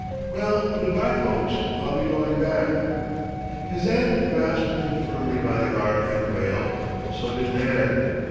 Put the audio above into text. Well, good bye, folks, I'll be going back." His aunt grasped him firmly by the arm and wailed. So did Nan.